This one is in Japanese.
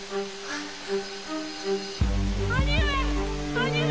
兄上！